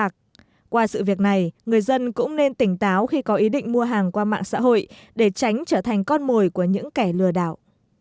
nhưng cũng nên tỉnh táo khi có ý định mua hàng qua mạng xã hội để tránh trở thành con mồi của những kẻ lừa đảo